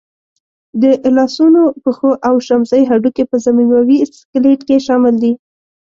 د لاسنونو، پښو او شمزۍ هډوکي په ضمیموي سکلېټ کې شامل دي.